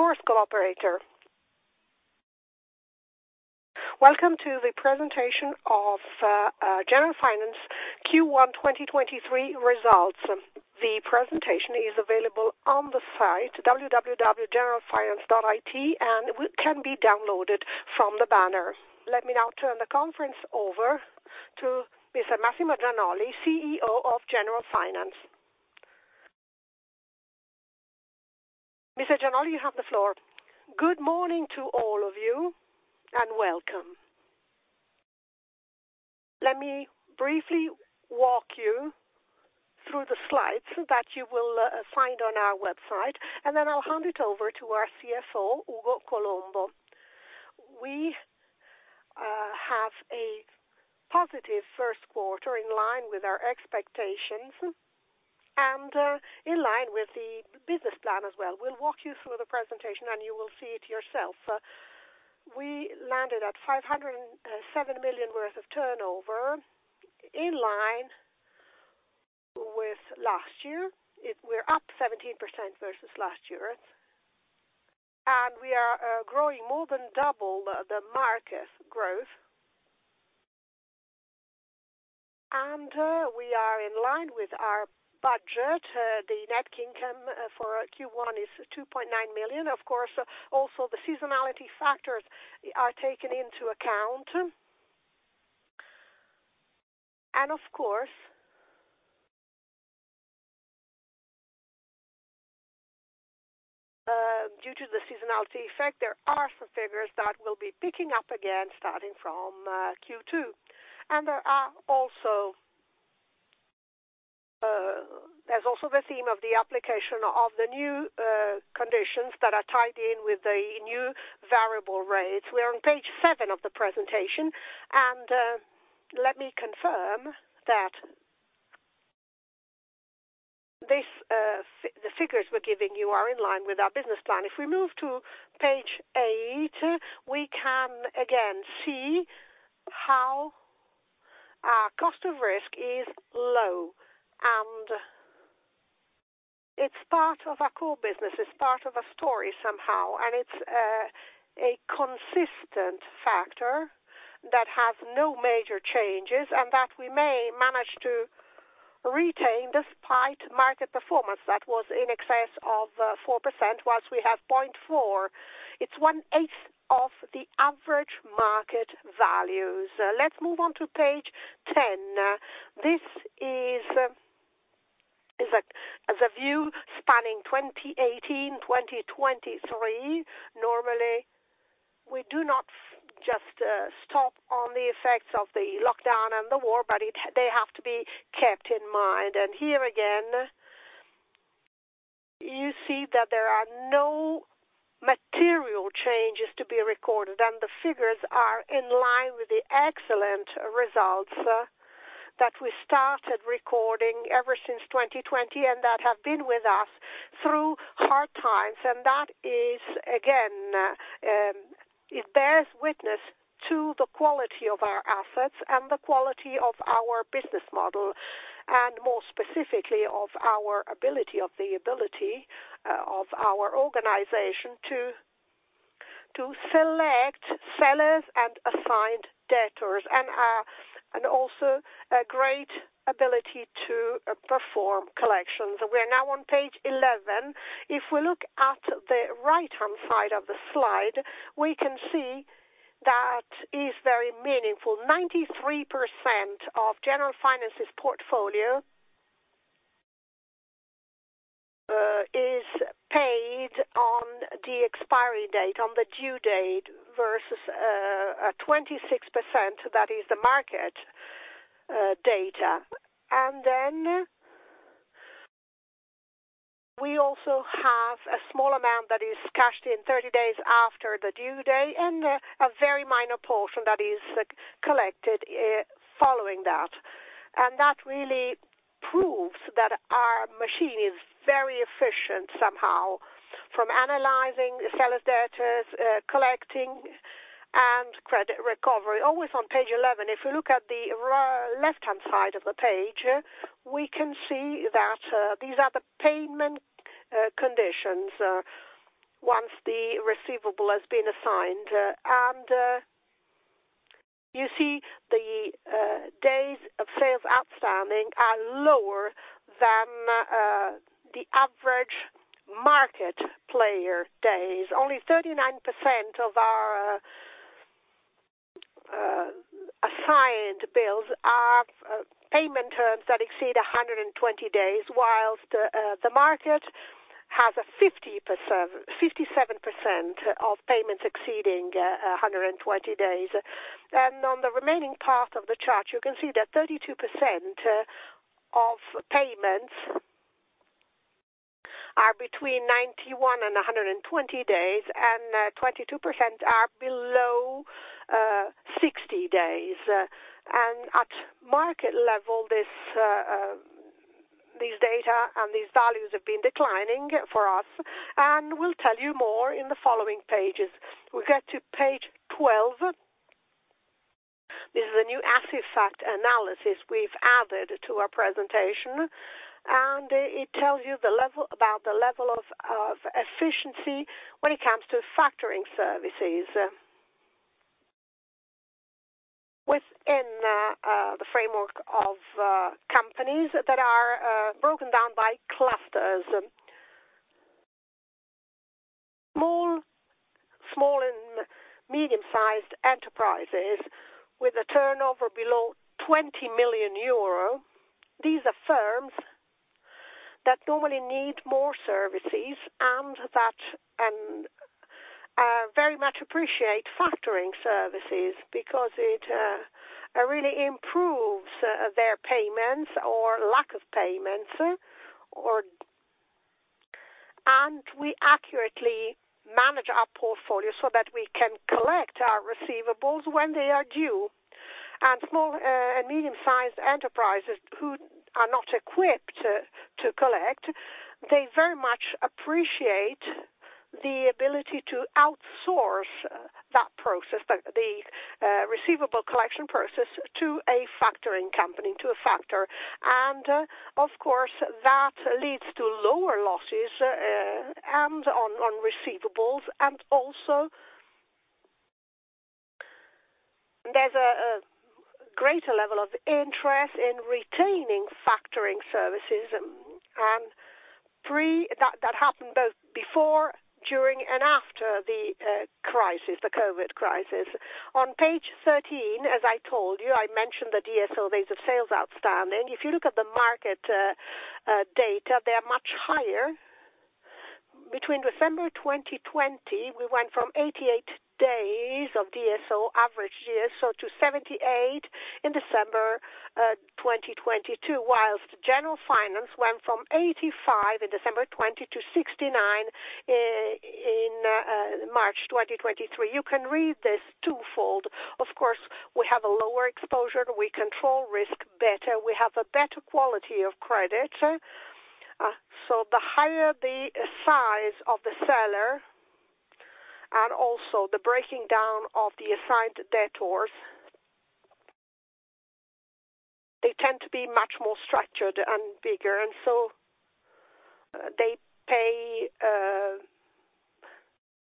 This is the Chorus Call operator. Welcome to the presentation of Generalfinance Q1 2023 results. The presentation is available on the site www.generalfinance.it, and can be downloaded from the banner. Let me now turn the conference over to Mr. Massimo Gianolli, CEO of Generalfinance. Mr. Gianolli, you have the floor. Good morning to all of you, and welcome. Let me briefly walk you through the slides that you will find on our website, and then I'll hand it over to our CFO, Ugo Colombo. We have a positive first quarter in line with our expectations and in line with the business plan as well. We'll walk you through the presentation and you will see it yourself. We landed at 507 million worth of turnover, in line with last year. We're up 17% versus last year, and we are growing more than double the market growth. We are in line with our budget. The net income for Q1 is 2.9 million. Of course, also the seasonality factors are taken into account. Of course, due to the seasonality effect, there are some figures that will be picking up again starting from Q2. There's also the theme of the application of the new conditions that are tied in with the new variable rates. We're on page 7 of the presentation, and let me confirm that the figures we're giving you are in line with our business plan. If we move to page 8, we can again see how our cost of risk is low, and it's part of our core business, it's part of a story somehow, and it's a consistent factor that has no major changes, and that we may manage to retain despite market performance that was in excess of 4%, whilst we have 0.4%. It's 1/8 of the average market values. Let's move on to page 10. This is a view spanning 2018-2023. Normally, we do not just stop on the effects of the lockdown and the war, but they have to be kept in mind. Here again, you see that there are no material changes to be recorded, and the figures are in line with the excellent results that we started recording ever since 2020, and that have been with us through hard times. That, again, it bears witness to the quality of our assets and the quality of our business model, and more specifically, of our ability, of the ability of our organization to select sellers and assigned debtors, and also a great ability to perform collections. We are now on page 11. If we look at the right-hand side of the slide, we can see that is very meaningful. 93% of Generalfinance's portfolio is paid on the expiry date, on the due date, versus 26%, that is the market data. We also have a small amount that is cashed in 30 days after the due date, and a very minor portion that is collected following that. That really proves that our machine is very efficient somehow, from analyzing seller debtors, collecting, and credit recovery. Always on page 11, if we look at the left-hand side of the page, we can see that these are the payment conditions once the receivable has been assigned. You see the days of sales outstanding are lower than the average market player days. Only 39% of our assigned bills have payment terms that exceed 120 days, whilst the market has 57% of payments exceeding 120 days. On the remaining part of the chart, you can see that 32% of payments are between 91 and 120 days, and 22% are below 60 days. At market level, these data and these values have been declining for us, and we'll tell you more in the following pages. We get to page 12. This is the new Assifact analysis we've added to our presentation, and it tells you about the level of efficiency when it comes to factoring services. Within the framework of companies that are broken down by clusters, small and medium-sized enterprises with a turnover below 20 million euro, these are firms that normally need more services, and that very much appreciate factoring services because it really improves their payments or lack of payments. We accurately manage our portfolio so that we can collect our receivables when they are due. Small and medium-sized enterprises who are not equipped to collect, they very much appreciate the ability to outsource that process, the receivable collection process to a factoring company, to a factor. Of course, that leads to lower losses on receivables, and also there's a greater level of interest in retaining factoring services. That happened both before, during, and after the COVID crisis. On page 13, as I told you, I mentioned the DSO, days of sales outstanding. If you look at the market data, they are much higher. Between December 2020, we went from 88 days of DSO, average DSO, to 78 days in December 2022, whilst Generalfinance went from 85 days in December 2020 to 69 days in March 2023. You can read this twofold. Of course, we have a lower exposure. We control risk better. We have a better quality of credit. The higher the size of the seller and also the breaking down of the assigned debtors, they tend to be much more structured and bigger, and so they pay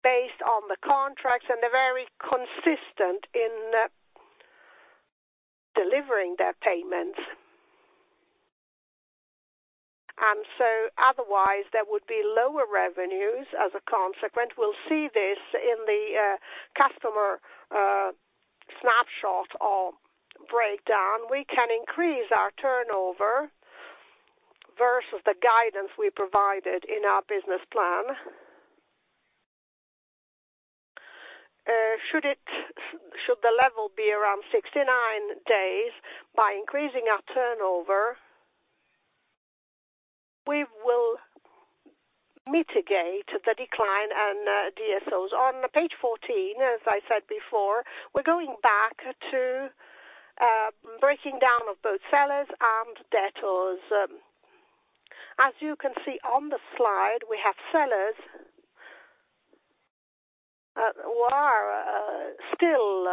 based on the contracts, and they're very consistent in delivering their payments. Otherwise, there would be lower revenues as a consequence. We'll see this in the customer snapshot or breakdown. We can increase our turnover versus the guidance we provided in our business plan. Should the level be around 69 days, by increasing our turnover, we will mitigate the decline on DSOs. On page 14, as I said before, we're going back to breaking down of both sellers and debtors. As you can see on the slide, we have sellers who are still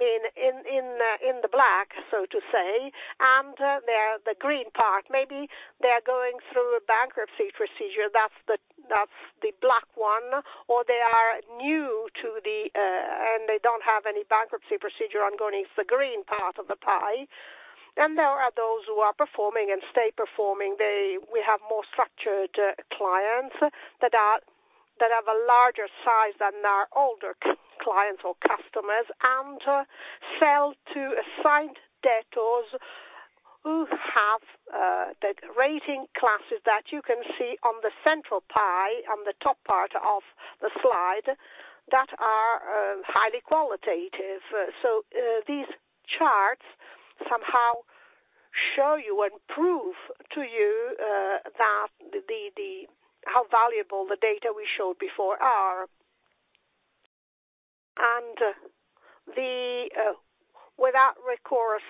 in the black, so to say, and they're the green part. Maybe they're going through a bankruptcy procedure, that's the black one, or they are new, and they don't have any bankruptcy procedure ongoing, it's the green part of the pie. There are those who are performing and stay performing. We have more structured clients that have a larger size than our older clients or customers, and sell to assigned debtors who have the rating classes that you can see on the central pie on the top part of the slide that are highly qualitative. These charts somehow show you and prove to you how valuable the data we showed before are. The without recourse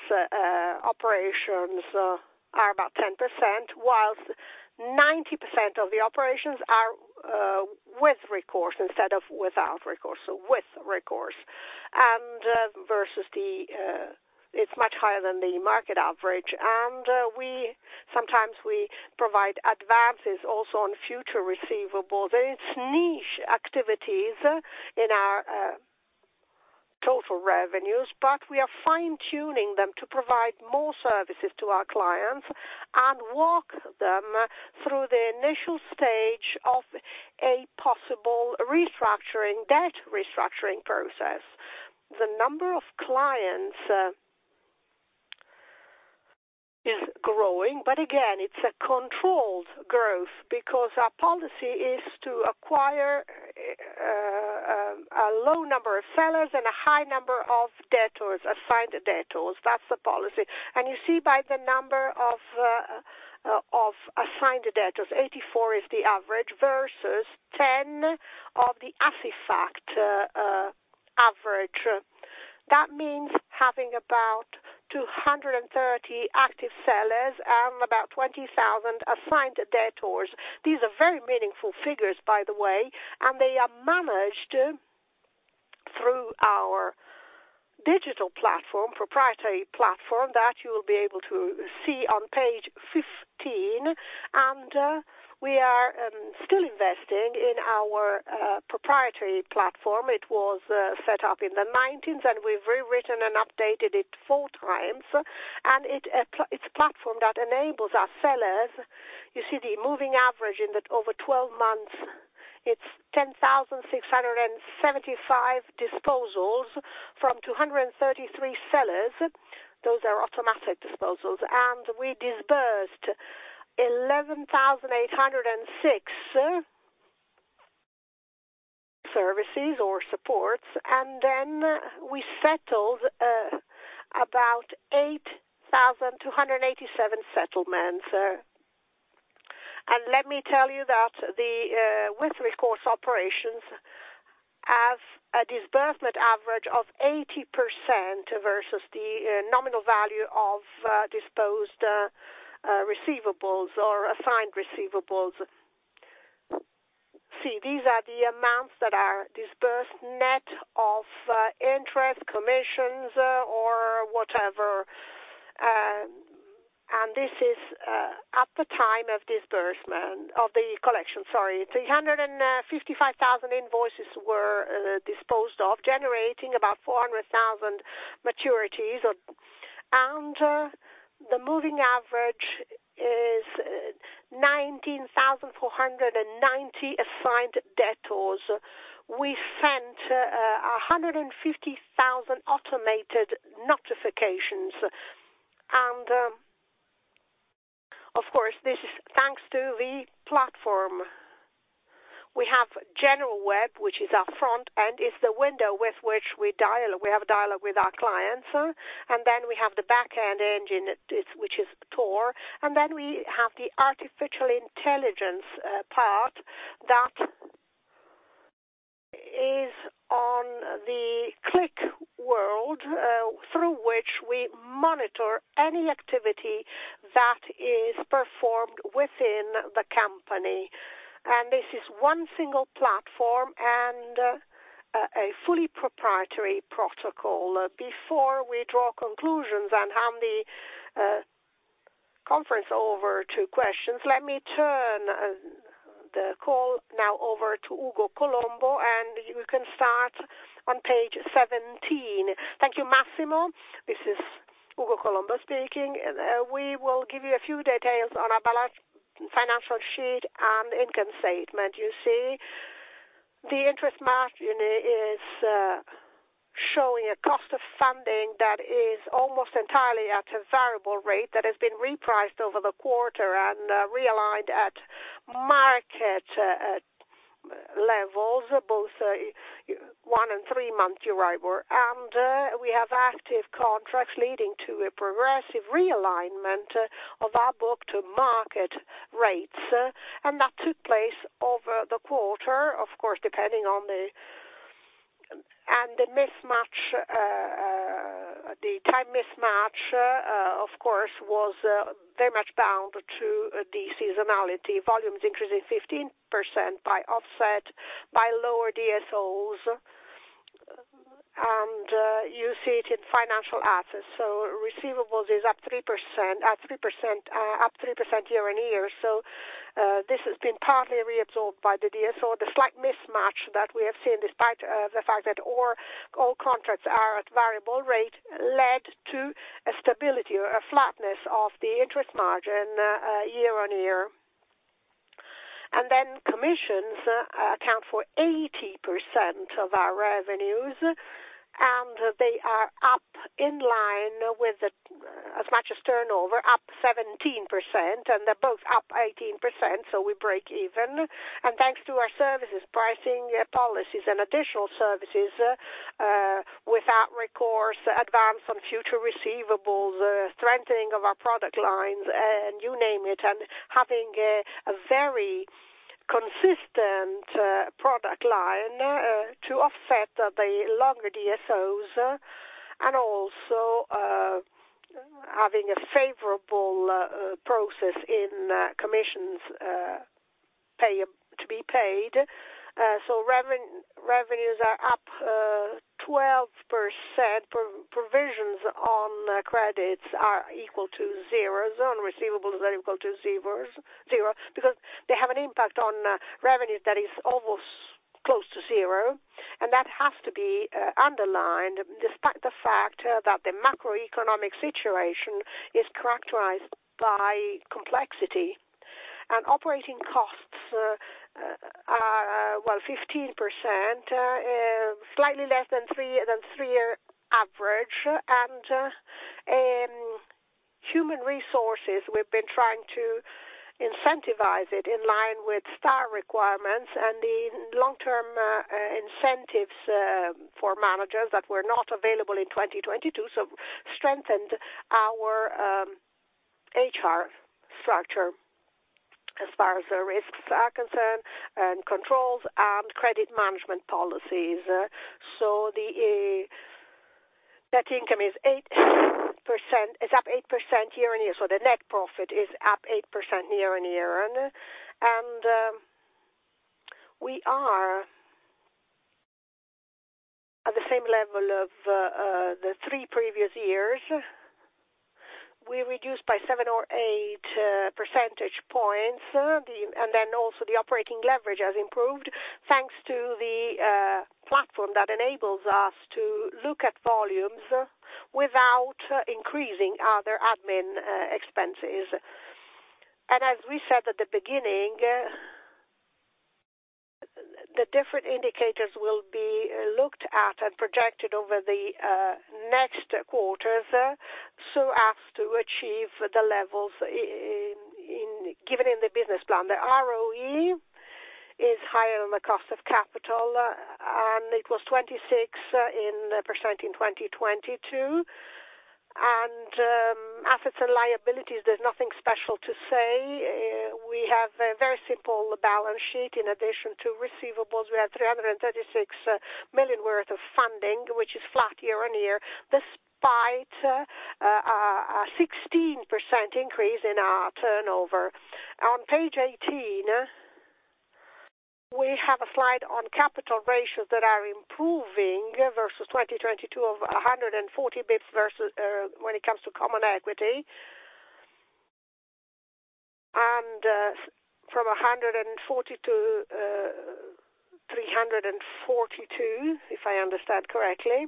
operations are about 10%, whilst 90% of the operations are with recourse instead of without recourse. With recourse, it's much higher than the market average. Sometimes we provide advances also on future receivables. It's niche activities in our total revenues, but we are fine-tuning them to provide more services to our clients and walk them through the initial stage of a possible debt restructuring process. The number of clients is growing, but again, it's a controlled growth because our policy is to acquire a low number of sellers and a high number of debtors, assigned debtors. That's the policy. You see by the number of assigned debtors, 84 is the average versus 10 of the Assifact average. That means having about 230 active sellers and about 20,000 assigned debtors. These are very meaningful figures, by the way, and they are managed through our digital platform, proprietary platform, that you will be able to see on page 15. We are still investing in our proprietary platform. It was set up in the 1990s, and we've rewritten and updated it 4x, and it's a platform that enables our sellers. You see the moving average in that over 12 months, it's 10,675 disposals from 233 sellers. Those are automatic disposals. We disbursed 11,806 services or supports, and then we settled about 8,287 settlements. Let me tell you that the with-recourse operations have a disbursement average of 80% versus the nominal value of disposed receivables or assigned receivables. See, these are the amounts that are disbursed net of interest, commissions, or whatever. This is at the time of the collection. 355,000 invoices were disposed of, generating about 400,000 maturities. The moving average is 19,490 assigned debtors. We sent 150,000 automated notifications. Of course, this is thanks to the platform. We have Generalweb, which is our front end, is the window with which we have a dialogue with our clients. We have the back end engine, which is TOR. We have the artificial intelligence part that is on ClickWorld, through which we monitor any activity that is performed within the company. This is one single platform and a fully proprietary protocol. Before we draw conclusions and hand the conference over to questions, let me turn the call now over to Ugo Colombo, and you can start on page 17. Thank you, Massimo. This is Ugo Colombo speaking. We will give you a few details on our balance financial sheet and income statement. You see the interest margin is showing a cost of funding that is almost entirely at a variable rate that has been repriced over the quarter and realigned at market levels, both one and three-month EURIBOR. We have active contracts leading to a progressive realignment of our book to market rates. That took place over the quarter, of course, depending on the time mismatch, of course, was very much bound to the seasonality. Volumes increased in 15% by offset, by lower DSOs, and you see it in financial assets. Receivables is up 3% year-on-year. This has been partly reabsorbed by the DSO. The slight mismatch that we have seen despite the fact that all contracts are at variable rate led to a stability or a flatness of the interest margin year-on-year. Commissions account for 80% of our revenues, and they are up in line with as much as turnover, up 17%, and they're both up 18%, so we break even, thanks to our services pricing policies and additional services without recourse, advance on future receivables, strengthening of our product lines, and you name it, and having a very consistent product line to offset the longer DSOs, and also having a favorable process in commissions to be paid. Revenues are up 12%. Provisions on credits are equal to zero. On receivables, they're equal to zero, because they have an impact on revenues that is almost close to zero, and that has to be underlined despite the fact that the macroeconomic situation is characterized by complexity. Operating costs are, well, 15%, slightly less than three-year average. Human resources, we've been trying to incentivize it in line with STAR requirements and the long-term incentives for managers that were not available in 2022, so strengthened our HR structure as far as the risks are concerned and controls and credit management policies. Net income is up 8% year-on-year. The net profit is up 8% year-on-year. We are at the same level of the three previous years. We reduced by 7 or 8 percentage points, and then also the operating leverage has improved thanks to the platform that enables us to look at volumes without increasing other admin expenses. As we said at the beginning, the different indicators will be looked at and projected over the next quarters, so as to achieve the levels given in the business plan. The ROE is higher on the cost of capital, and it was 26% in 2022. Assets and liabilities, there's nothing special to say. We have a very simple balance sheet. In addition to receivables, we had 336 million worth of funding, which is flat year-over-year, despite a 16% increase in our turnover. On page 18, we have a slide on capital ratios that are improving versus 2022 of 140 basis points when it comes to common equity, and from 140 to 342, if I understand correctly.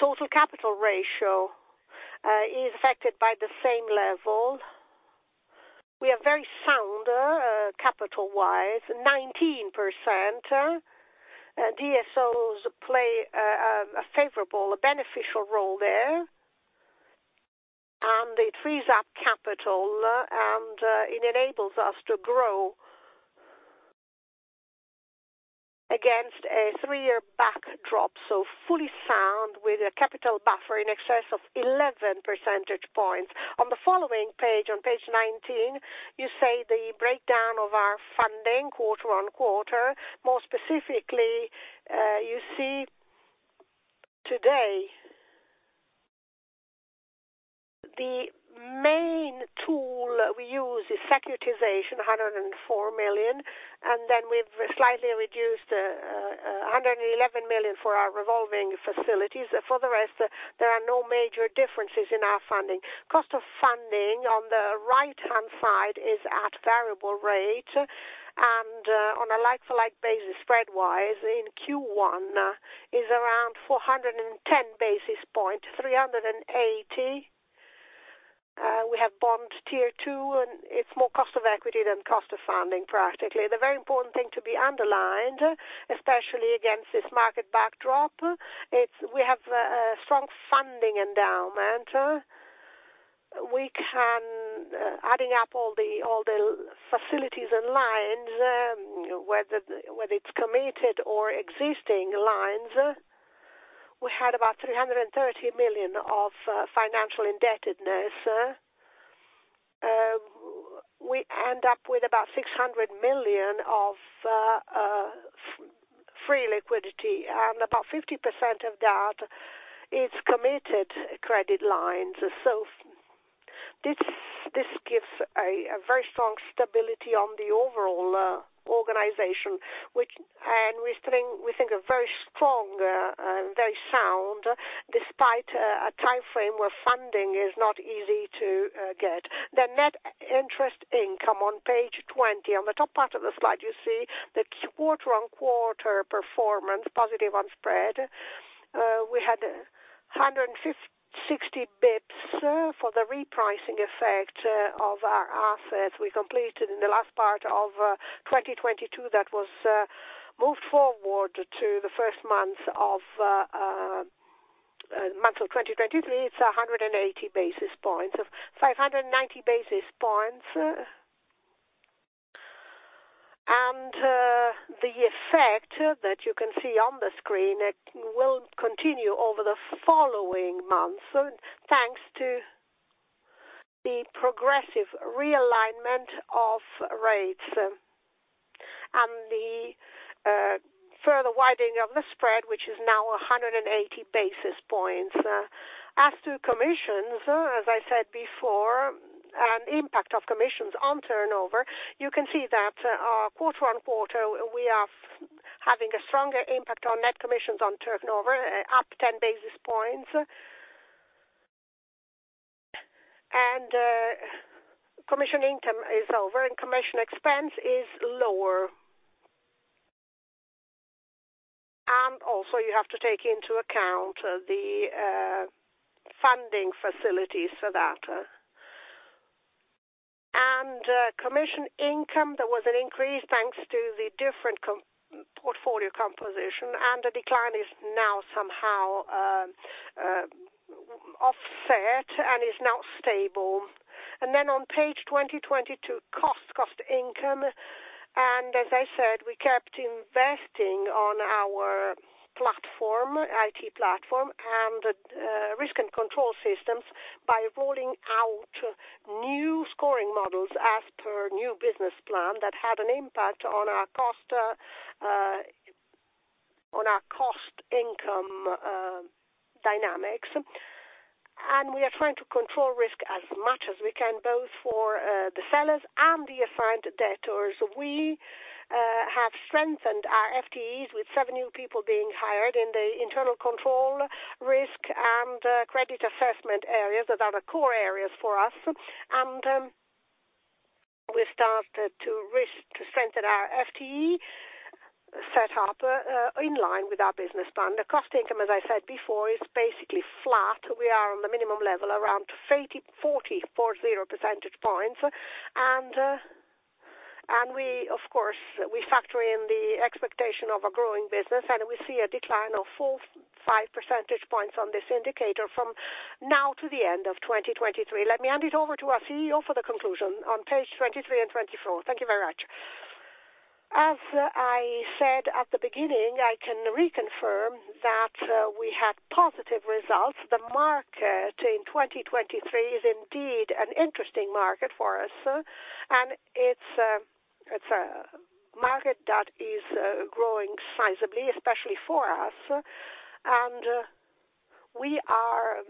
Total capital ratio is affected by the same level. We are very sound capital-wise, 19%, and DSOs play a favorable, beneficial role there. It frees up capital, and it enables us to grow against a three-year backdrop, so fully sound with a capital buffer in excess of 11 percentage points. On the following page, on page 19, you see the breakdown of our funding quarter-over-quarter. More specifically, you see today, the main tool we use is securitization, 104 million, and then we've slightly reduced 111 million for our revolving facilities. For the rest, there are no major differences in our funding. Cost of funding on the right-hand side is at variable rate, and on a like-for-like basis spread-wise in Q1 is around 410 basis points, 380. We have bond Tier 2, and it's more cost of equity than cost of funding, practically. The very important thing to be underlined, especially against this market backdrop, we have a strong funding endowment. Adding up all the facilities and lines, whether it's committed or existing lines, we had about 330 million of financial indebtedness. We end up with about 600 million of free liquidity, and about 50% of that is committed credit lines. This gives a very strong stability on the overall organization, and we think are very strong and very sound, despite a time frame where funding is not easy to get. The Net Interest Income on page 20, on the top part of the slide you see the quarter-on-quarter performance, positive on spread. We had 160 basis points for the repricing effect of our assets we completed in the last part of 2022 that was moved forward to the first months of 2023. It's 180 basis points of 590 basis points. The effect that you can see on the screen will continue over the following months, thanks to the progressive realignment of rates and the further widening of the spread, which is now 180 basis points. As to commissions, as I said before, an impact of commissions on turnover, you can see that quarter-over-quarter, we are having a stronger impact on net commissions on turnover up 10 basis points. Commission income is over, and commission expense is lower. You have to take into account the funding facilities for that. Commission income, there was an increase thanks to the different portfolio composition, and the decline is now somehow offset and is now stable. On page 20,22, cost/income. As I said, we kept investing on our IT platform and risk and control systems by rolling out new scoring models as per new business plan that had an impact on our cost/income dynamics. We are trying to control risk as much as we can, both for the sellers and the assigned debtors. We have strengthened our FTEs with seven new people being hired in the Internal Control, Risk, and Credit Assessment areas that are the core areas for us. We started to strengthen our FTE setup in line with our Business Plan. The cost/income, as I said before, is basically flat. We are on the minimum level around 40 percentage points. We factor in the expectation of a growing business, and we see a decline of 4, 5 percentage points on this indicator from now to the end of 2023. Let me hand it over to our CEO for the conclusion on page 23 and 24. Thank you very much. As I said at the beginning, I can reconfirm that we had positive results. The market in 2023 is indeed an interesting market for us, and it's a market that is growing sizably, especially for us. We are,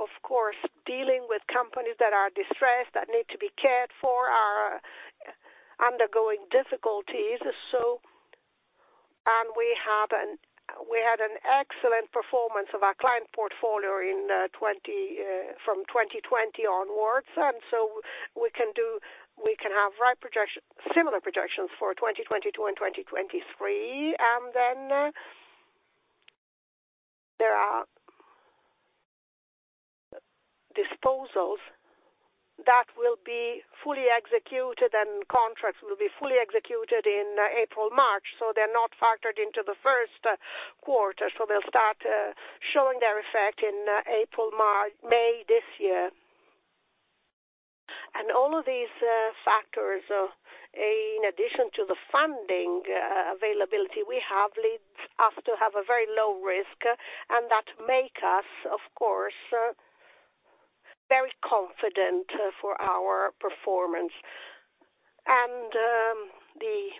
of course, dealing with companies that are distressed, that need to be cared for, are undergoing difficulties. We had an excellent performance of our client portfolio from 2020 onwards. We can have similar projections for 2022 and 2023. There are disposals that will be fully executed, and contracts will be fully executed in April, March, so they're not factored into the first quarter. They'll start showing their effect in April, May this year. All of these factors, in addition to the funding availability we have, leads us to have a very low risk, and that make us, of course, very confident for our performance. The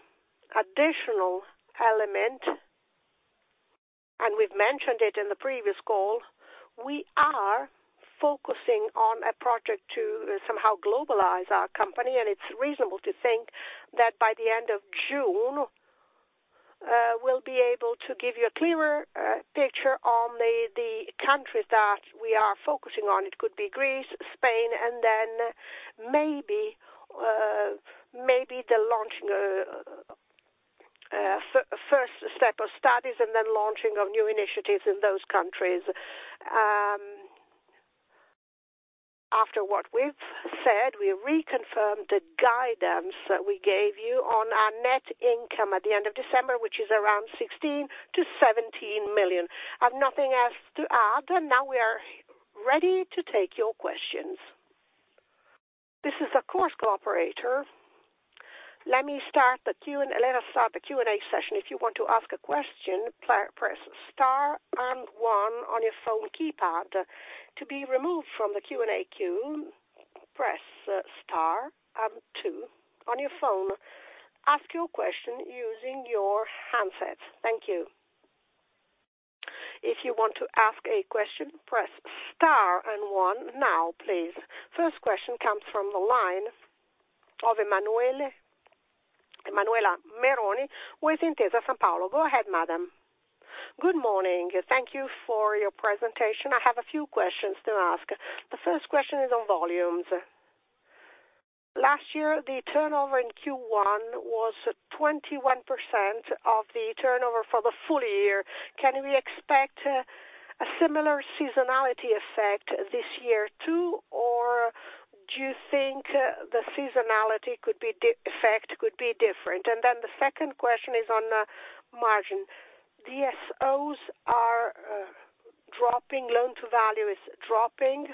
additional element, and we've mentioned it in the previous call, we are focusing on a project to somehow globalize our company, and it's reasonable to think that by the end of June, we'll be able to give you a clearer picture on the countries that we are focusing on. It could be Greece, Spain, and then maybe the first step of studies and then launching of new initiatives in those countries. After what we've said, we reconfirm the guidance that we gave you on our net income at the end of December, which is around 16 million-17 million. I have nothing else to add. Now we are ready to take your questions. This is, of course, Operator. Let us start the Q&A session. If you want to ask a question, press star and one on your phone keypad. To be removed from the Q&A queue, press star and two on your phone. Ask your question using your handset. Thank you. If you want to ask a question press star and one now please. First question comes from the line of Manuela Meroni with Intesa Sanpaolo. Go ahead, madam. Good morning. Thank you for your presentation. I have a few questions to ask. The first question is on volumes. Last year, the turnover in Q1 was 21% of the turnover for the full year. Can we expect a similar seasonality effect this year, too, or do you think the seasonality effect could be different? The second question is on margin. DSOs are dropping, loan-to-value is dropping,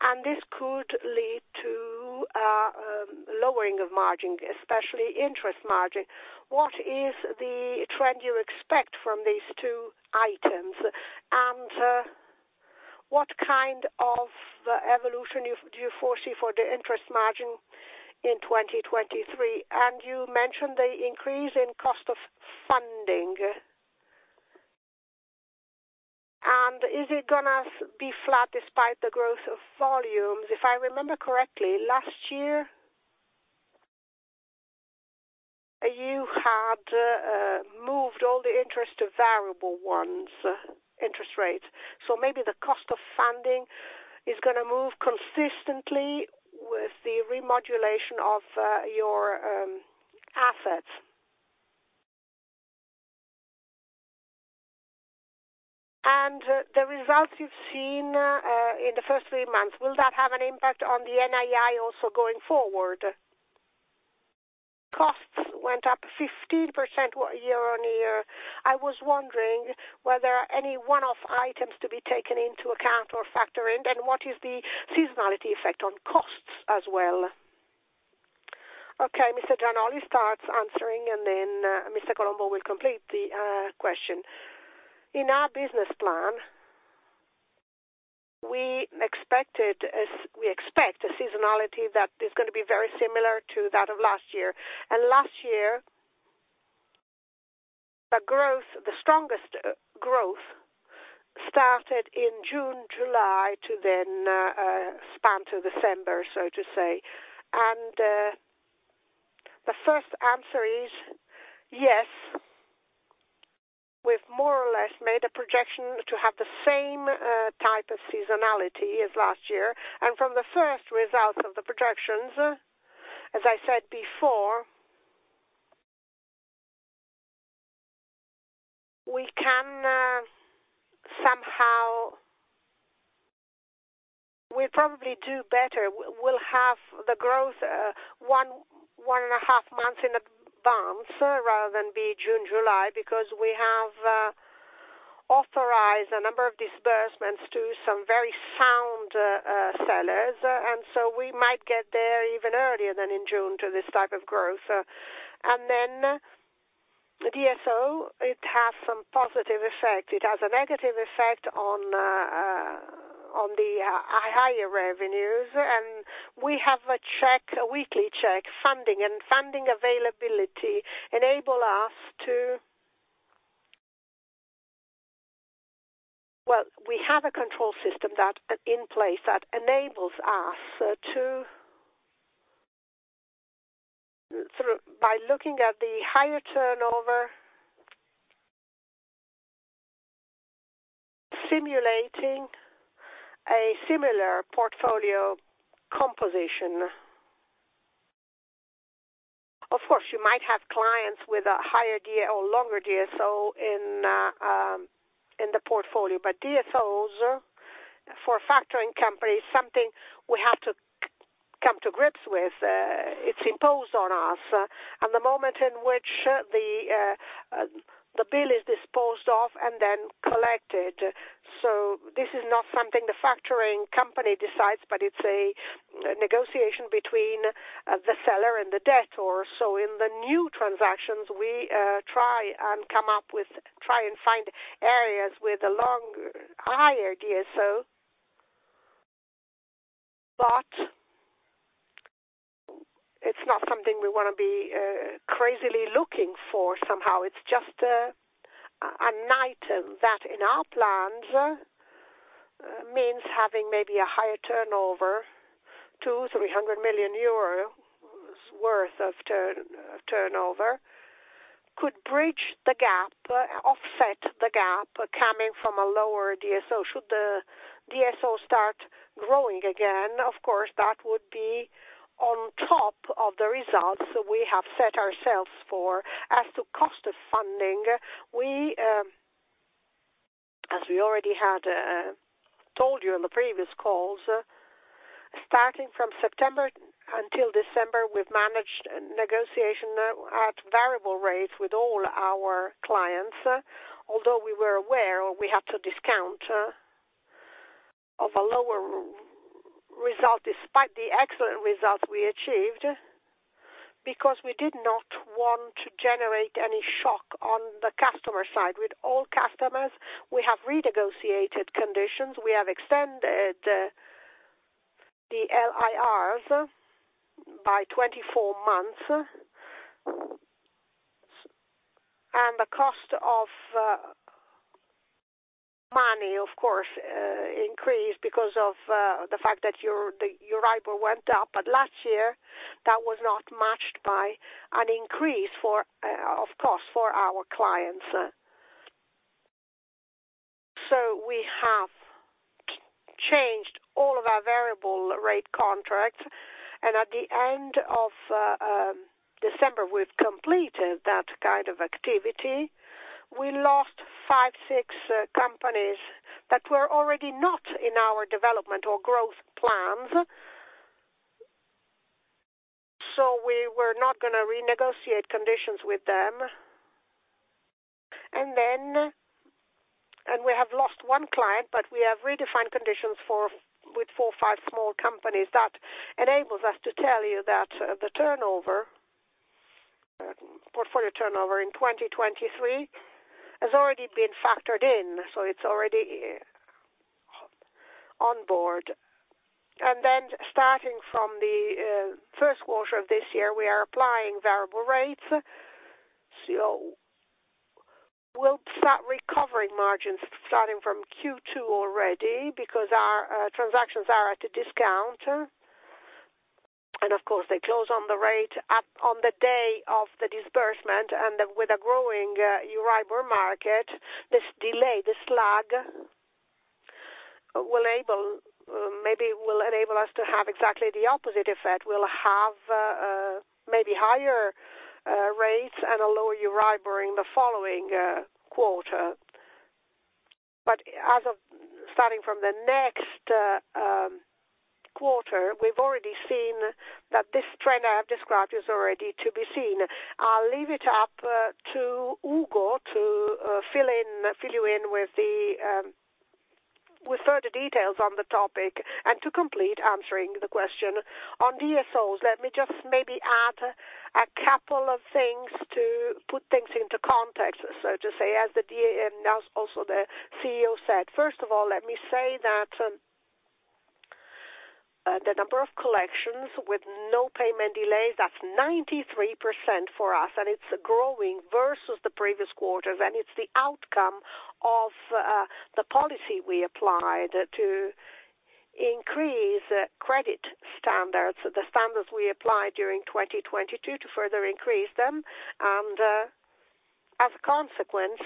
and this could lead to a lowering of margin, especially interest margin. What is the trend you expect from these two items? What kind of evolution do you foresee for the interest margin in 2023? You mentioned the increase in cost of funding. Is it going to be flat despite the growth of volumes? If I remember correctly, last year you had moved all the interest to variable ones, interest rates. Maybe the cost of funding is going to move consistently with the remodulation of your assets. The results you've seen in the first three months, will that have an impact on the NII also going forward? Costs went up 15% year-on-year. I was wondering whether any one-off items to be taken into account or factor in, and what is the seasonality effect on costs as well? Okay, Mr. Gianolli starts answering, and then Mr. Colombo will complete the question. In our business plan, we expect a seasonality that is going to be very similar to that of last year. Last year, the strongest growth started in June, July to then span to December, so to say. The first answer is yes, we've more or less made a projection to have the same type of seasonality as last year. From the first results of the projections, as I said before, we probably do better. We'll have the growth 1.5 Months in advance rather than be June, July because we have authorized a number of disbursements to some very sound sellers. We might get there even earlier than in June to this type of growth. The DSO, it has some positive effect. It has a negative effect on the higher revenues. We have a weekly check. Well, we have a control system in place that enables us to, by looking at the higher turnover, simulating a similar portfolio composition. Of course, you might have clients with a higher or longer DSO in the portfolio, but DSOs for a factoring company is something we have to come to grips with. It's imposed on us, the moment in which the bill is disposed of and then collected. This is not something the factoring company decides, but it's a negotiation between the seller and the debtor. In the new transactions, we try and find areas with a higher DSO. It's not something we want to be crazily looking for somehow. It's just an item that in our plans means having maybe a higher turnover, 200 million-300 million euros worth of turnover could bridge the gap, offset the gap coming from a lower DSO. Should the DSO start growing again, of course that would be on top of the results we have set ourselves for. As to cost of funding, as we already had told you in the previous calls, starting from September until December, we've managed negotiation at variable rates with all our clients. Although we were aware, or we had to discount of a lower result despite the excellent results we achieved, because we did not want to generate any shock on the customer side. With all customers, we have renegotiated conditions. We have extended the LIRs by 24 months. The cost of money, of course, increased because of the fact that the EURIBOR went up. Last year, that was not matched by an increase of costs for our clients. We have changed all of our variable rate contracts, and at the end of December, we've completed that kind of activity. We lost five, six companies that were already not in our development or growth plans. We were not going to renegotiate conditions with them. We have lost one client, but we have redefined conditions with four, five small companies that enables us to tell you that the portfolio turnover in 2023 has already been factored in, so it's already on board. Starting from the first quarter of this year, we are applying variable rates. We'll start recovering margins starting from Q2 already because our transactions are at a discount. Of course, they close on the rate on the day of the disbursement, and with a growing EURIBOR market, this delay, this lag, maybe will enable us to have exactly the opposite effect. We'll have maybe higher rates and a lower EURIBOR in the following quarter. As of starting from the next quarter, we've already seen that this trend I have described is already to be seen. I'll leave it up to Ugo to fill you in with further details on the topic and to complete answering the question. On DSOs, let me just maybe add a couple of things to put things into context. To say, as also the CEO said, first of all, let me say that the number of collections with no payment delays, that's 93% for us, and it's growing versus the previous quarters, and it's the outcome of the policy we applied to increase credit standards, the standards we applied during 2022 to further increase them. As a consequence,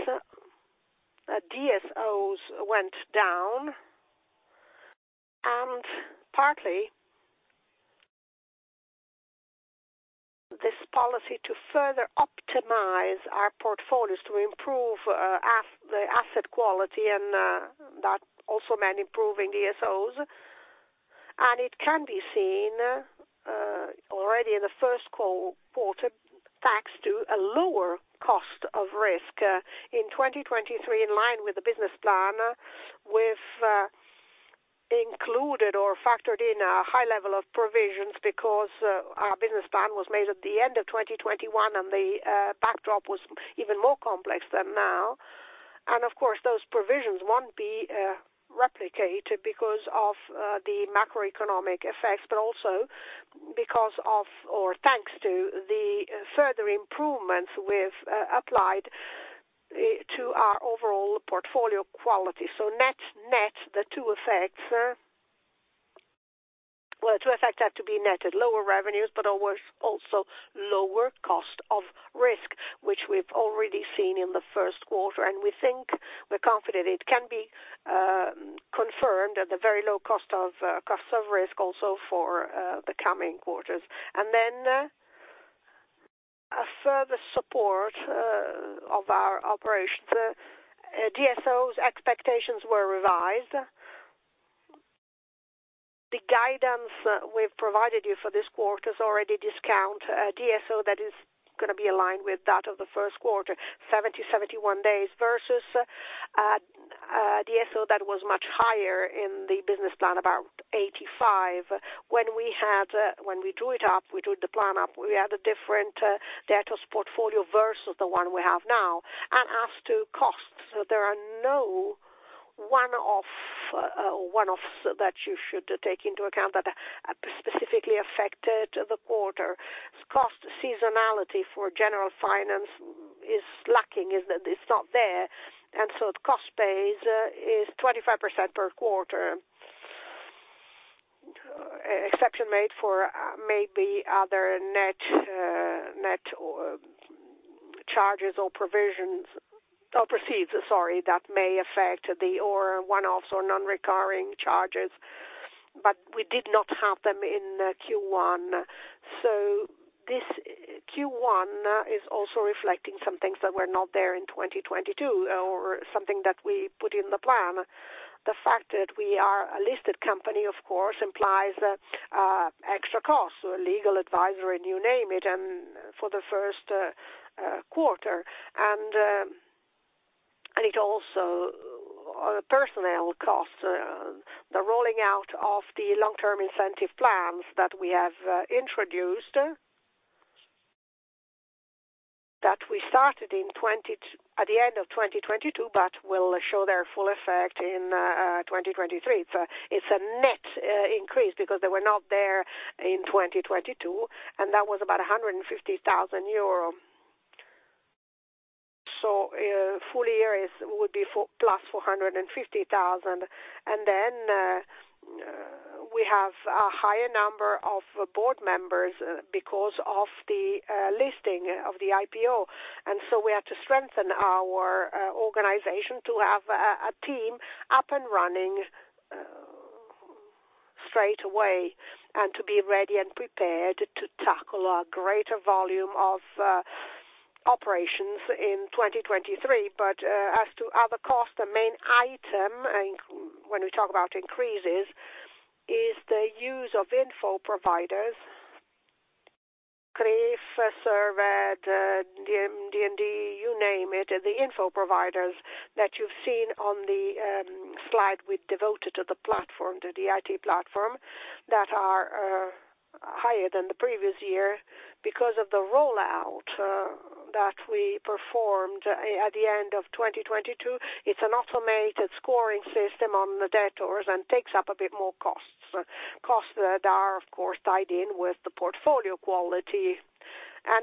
DSOs went down, and partly this policy to further optimize our portfolios, to improve the asset quality and that also meant improving DSOs. It can be seen already in the first quarter, thanks to a lower cost of risk. In 2023, in line with the business plan, we've included or factored in a high level of provisions because our business plan was made at the end of 2021, and the backdrop was even more complex than now. Of course, those provisions won't be replicated because of the macroeconomic effect, but also because of, or thanks to, the further improvements we've applied to our overall portfolio quality. Net, the two effects had to be netted. Lower revenues, but also lower cost of risk, which we've already seen in the first quarter, and we think we're confident it can be confirmed at a very low cost of risk also for the coming quarters. A further support of our operations, DSOs expectations were revised. The guidance we've provided you for this quarter is already discount DSO that is going to be aligned with that of the first quarter, 70 days, 71 days versus a DSO that was much higher in the business plan, about 85 days. When we drew the plan up, we had a different debtors portfolio versus the one we have now. As to costs, there are no one-offs that you should take into account that specifically affected the quarter. Cost seasonality for Generalfinance is lacking, it's not there. The cost base is 25% per quarter, exception made for maybe other net charges or provisions, or proceeds, sorry, that may affect one-offs or non-recurring charges. We did not have them in Q1. This Q1 is also reflecting some things that were not there in 2022 or something that we put in the plan. The fact that we are a listed company, of course, implies extra costs, legal, advisory, you name it, and for the first quarter. It also, personnel costs, the rolling out of the long-term incentive plans that we have introduced, that we started at the end of 2022, but will show their full effect in 2023. It's a net increase because they were not there in 2022, and that was about 150,000 euro. So full year would be +450,000. And then we have a higher number of board members because of the listing of the IPO. And so we had to strengthen our organization to have a team up and running straight away and to be ready and prepared to tackle a greater volume of operations in 2023. But as to other costs, the main item, when we talk about increases, is the use of info providers, CRIF, Cerved, D&B, you name it, the info providers that you've seen on the slide we devoted to the platform, the IT platform, that are higher than the previous year because of the rollout that we performed at the end of 2022. It's an automated scoring system on the debtors and takes up a bit more costs. Costs that are, of course, tied in with the portfolio quality.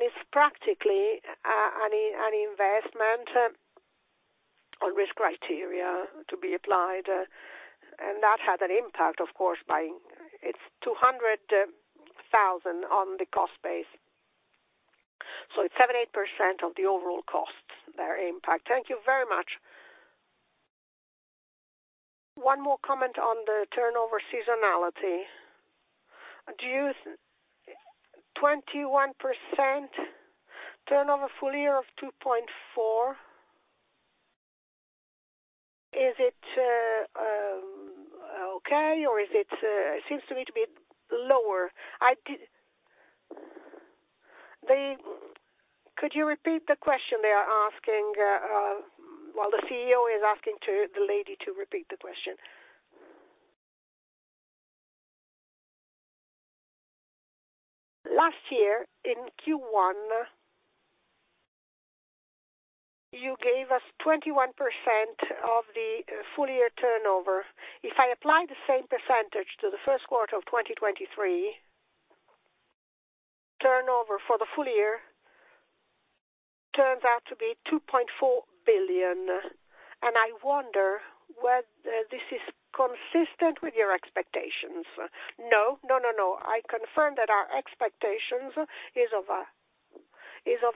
It's practically an investment on risk criteria to be applied. That had an impact, of course, it's 200,000 on the cost base. It's 7%-8% of the overall costs, their impact. Thank you very much. One more comment on the turnover seasonality. 21% turnover full year of 2.4 billion. Is it okay or it seems to me to be lower? Could you repeat the question they are asking? Well, the CEO is asking the lady to repeat the question. Last year in Q1, you gave us 21% of the full year turnover. If I apply the same percentage to the first quarter of 2023, turnover for the full year turns out to be 2.4 billion, and I wonder whether this is consistent with your expectations. No. I confirm that our expectations is of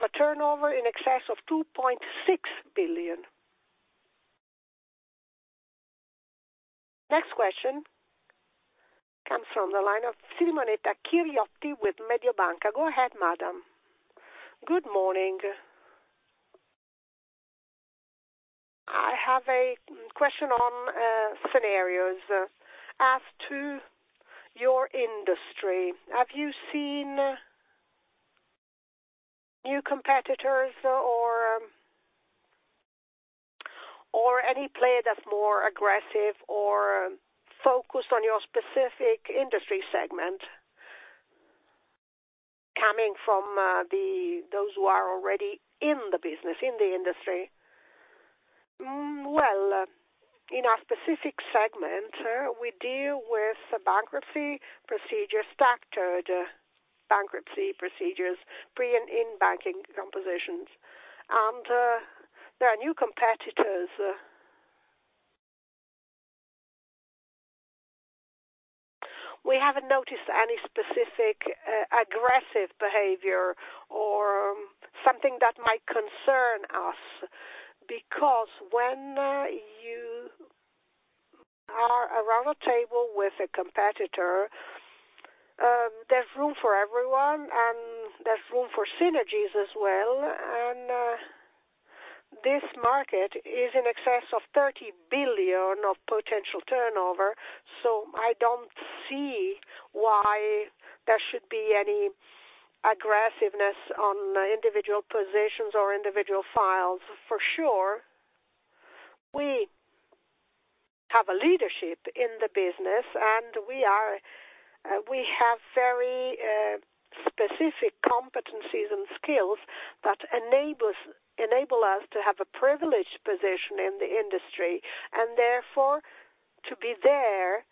a turnover in excess of 2.6 billion. Next question comes from the line of Simonetta Chiriotti with Mediobanca. Go ahead, madam. Good morning. I have a question on scenarios. As to your industry, have you seen new competitors or any player that's more aggressive or focused on your specific industry segment coming from those who are already in the business, in the industry? Well, in our specific segment, we deal with bankruptcy procedures, structured bankruptcy procedures, pre and in bankruptcy compositions. There are new competitors. We haven't noticed any specific aggressive behavior or something that might concern us. Because when you are around a table with a competitor, there's room for everyone and there's room for synergies as well, and this market is in excess of 30 billion of potential turnover, so I don't see why there should be any aggressiveness on individual positions or individual files. For sure, we have a leadership in the business, and we have very specific competencies and skills that enable us to have a privileged position in the industry, and therefore, to be there.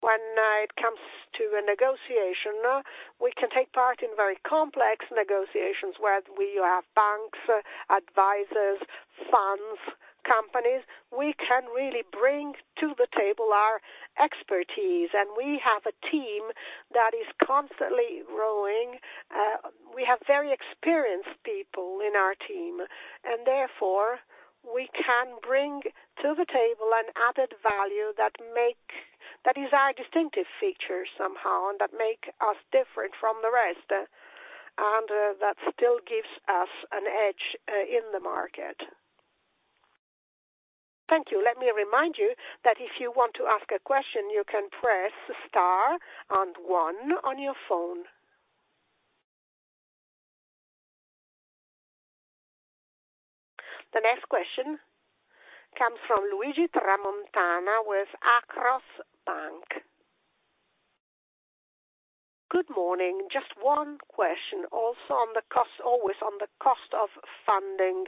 When it comes to a negotiation, we can take part in very complex negotiations where we have banks, advisors, funds, companies. We can really bring to the table our expertise, and we have a team that is constantly growing. We have very experienced people in our team, and therefore, we can bring to the table an added value that is our distinctive feature somehow, and that make us different from the rest, and that still gives us an edge in the market. Thank you. Let me remind you that if you want to ask a question, you can press star and one on your phone. The next question comes from Luigi Tramontana with Banca Akros. Good morning. Just one question, always on the cost of funding.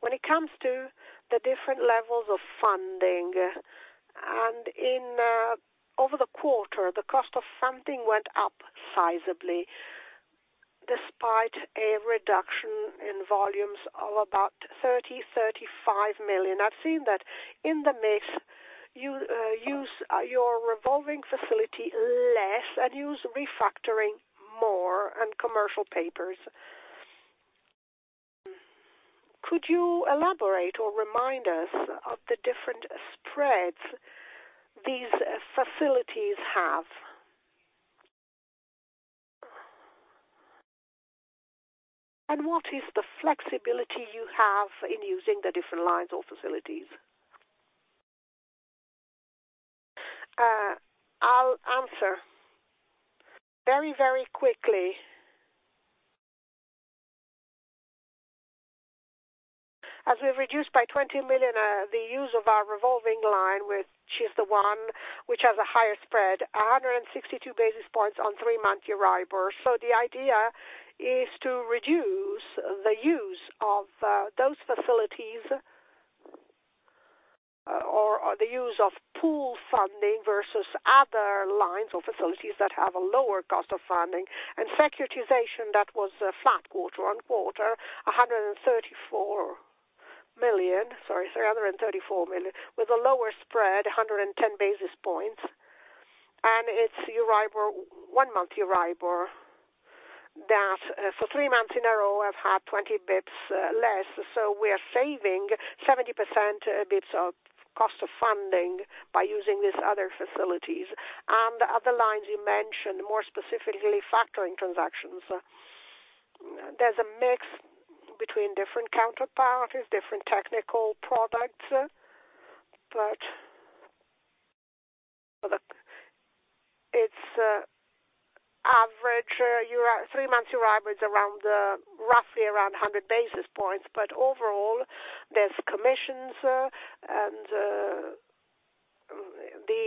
When it comes to the different levels of funding, and over the quarter, the cost of funding went up sizably despite a reduction in volumes of about 30 million-35 million. I've seen that in the mix, you use your revolving facility less and use refactoring more in commercial papers. Could you elaborate or remind us of the different spreads these facilities have? What is the flexibility you have in using the different lines or facilities? I'll answer very quickly, as we've reduced by 20 million the use of our revolving line, which is the one which has a higher spread, 162 basis points on three-month EURIBOR. The idea is to reduce the use of those facilities or the use of pool funding versus other lines of facilities that have a lower cost of funding. Securitization, that was a flat quarter-over-quarter, 134 million with a lower spread, 110 basis points, and it's one-month EURIBOR that for three months in a row have had 20 basis points less. We are saving 70 basis points of cost of funding by using these other facilities. Other lines you mentioned, more specifically factoring transactions. There's a mix between different counterparties, different technical products. Look, its average three months EURIBOR is roughly around 100 basis points. Overall, there's commissions and the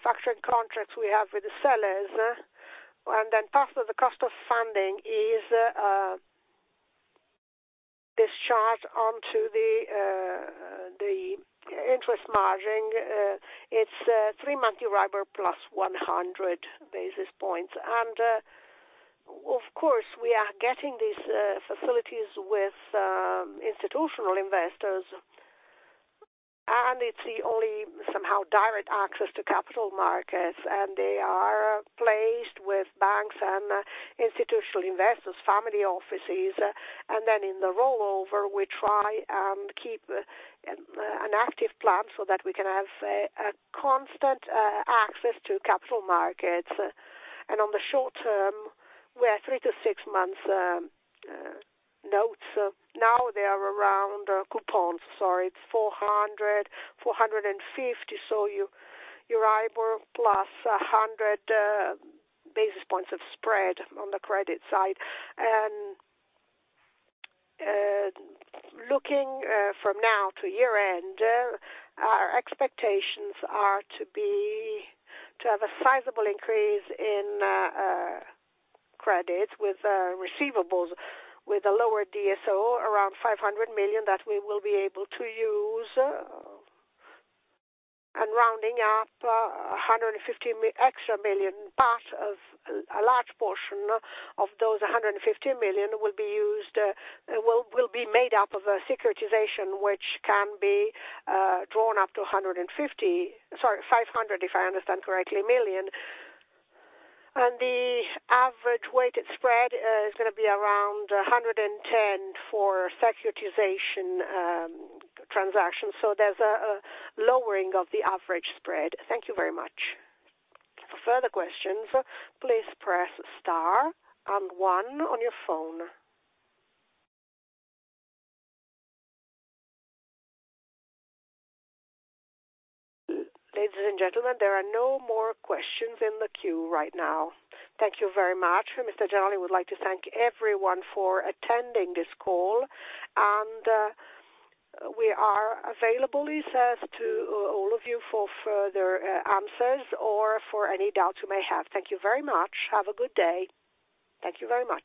factoring contracts we have with the sellers. Part of the cost of funding is this charge onto the interest margin. It's three-month EURIBOR plus 100 basis points. Of course, we are getting these facilities with institutional investors, and it's the only somehow direct access to capital markets, and they are placed with banks and institutional investors, family offices. In the rollover, we try and keep an active plan so that we can have a constant access to capital markets. On the short-term, we are 3 to 6 months notes. Now they are around coupons, sorry, it's 400-450. EURIBOR plus 100 basis points of spread on the credit side. Looking from now to year-end, our expectations are to have a sizable increase in credits with receivables, with a lower DSO around 500 million that we will be able to use. Rounding up 150 extra million, part of a large portion of those 150 million will be made up of a securitization which can be drawn up to 150 million, sorry, 500 million, if I understand correctly, million. The average weighted spread is going to be around 110 for securitization transactions. There's a lowering of the average spread. Thank you very much. For further questions, please press star and one on your phone. Ladies and gentlemen, there are no more questions in the queue right now. Thank you very much. Mr. Gianolli would like to thank everyone for attending this call. We are available, he says to all of you for further answers or for any doubts you may have. Thank you very much. Have a good day. Thank you very much.